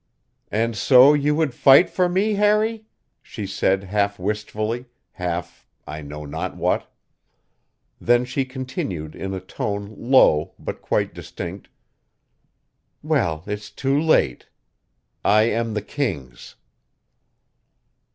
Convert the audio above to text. "And so you would fight for me, Harry?" she said half wistfully, half I know not what. Then she continued in a tone low but quite distinct: "Well, it is too late. I am the king's."